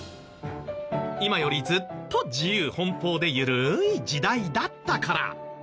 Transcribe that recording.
今よりずっと自由奔放で緩い時代だったから。